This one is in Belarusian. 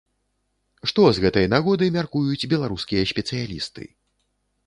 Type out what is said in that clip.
Што з гэтай нагоды мяркуюць беларускія спецыялісты?